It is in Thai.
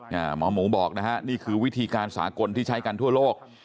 หมอหมูบอกนะฮะนี่คือวิธีการสากลที่ใช้กันทั่วโลก